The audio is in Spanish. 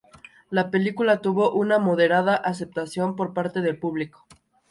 La película tuvo una moderada aceptación por parte del público.